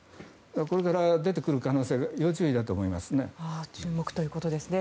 これから出てくる可能性要注意だと思いますね。